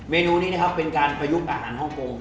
เมนูนี้นะครับเป็นการประยุกต์อาหารฮ่องกง